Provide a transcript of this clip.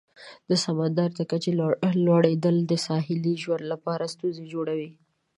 د سمندر د کچې لوړیدل د ساحلي ژوند لپاره ستونزې جوړوي.